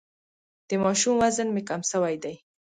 د ماشوم وزن مي کم سوی دی.